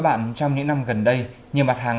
hàng nghìn tỷ đồng mất trắng